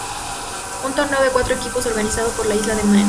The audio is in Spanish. Un torneo de cuatro equipos organizado por la Isla de Man.